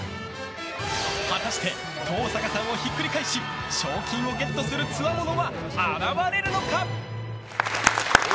果たして登坂さんをひっくり返し賞金をゲットするつわものは現れるのか？